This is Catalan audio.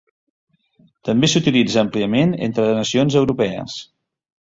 També s'utilitza àmpliament entre nacions europees.